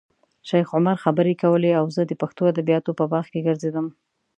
شیخ عمر خبرې کولې او زه د پښتو ادبیاتو په باغ کې ګرځېدم.